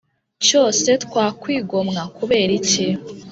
cyose twakwigomwa Kubera iki